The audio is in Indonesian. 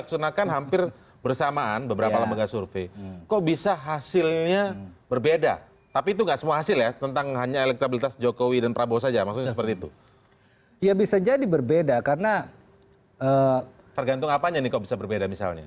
karena tergantung apanya nih kalau bisa berbeda misalnya